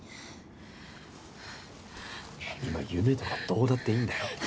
今夢とかどうだっていいんだよ。